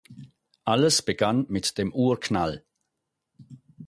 Alles begann mit dem Urknall.